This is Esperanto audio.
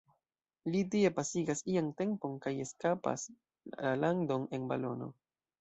Li tie pasigas ian tempon, kaj eskapas la landon en balono.